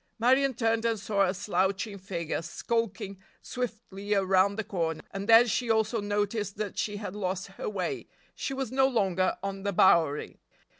Marion turned and saw a slouching figure skulking swiftly around the corner, and then she also noticed that she had lost her way, she was no longer on the Bowery.